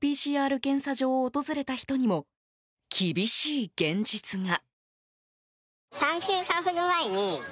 ＰＣＲ検査場を訪れた人にも厳しい現実が。